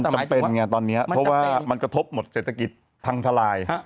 จำเป็นไงตอนนี้เพราะว่ามันกระทบหมดเศรษฐกิจพังทลาย